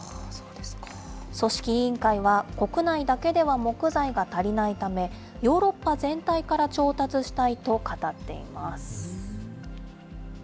組織委員会は、国内だけでは木材が足りないため、ヨーロッパ全体から調達したいと語っています。